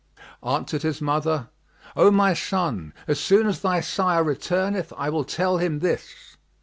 Answered his mother, "O my son, as soon as thy sire returneth I will tell him this."